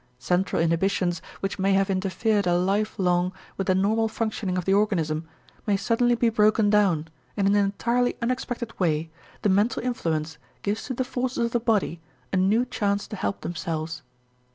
Central inhibitions which may have interfered a life long with the normal functioning of the organism may suddenly be broken down and in an entirely unexpected way the mental influence gives to the forces of the body a new chance to help themselves.